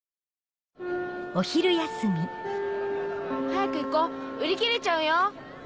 早く行こ売り切れちゃうよ。